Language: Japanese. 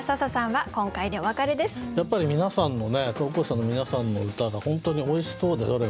やっぱり投稿者の皆さんの歌が本当においしそうでどれも。